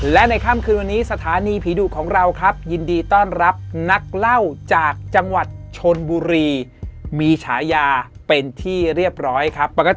และในค่ำคืนวันนี้สถานีผีดุของเราครับยินดีต้อนรับนักเล่าจากจังหวัดชนบุรีมีฉายาเป็นที่เรียบร้อยครับปกติ